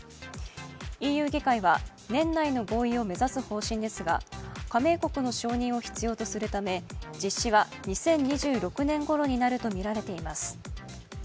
ＥＵ議会は年内の合意を目指す方針ですが加盟国の承認を必要とするため実施は２０２６年ごろになるとみられています。